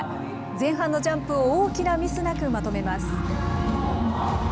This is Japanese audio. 前半のジャンプを大きなミスなくまとめます。